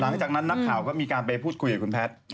หลังจากนั้นนักข่าวก็มีการไปพูดคุยกับคุณแพทย์